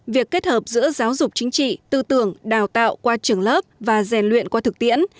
việc kết hợp giữa giáo dục chính trị tư tưởng đào tạo qua trường lớp và rèn luyện qua thực tiễn